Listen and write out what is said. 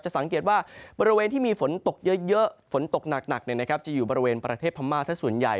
สังเกตว่าบริเวณที่มีฝนตกเยอะฝนตกหนักจะอยู่บริเวณประเทศพม่าสักส่วนใหญ่